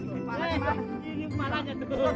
semua lempare bang jangan malu malu bang